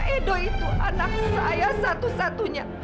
edo itu anak saya satu satunya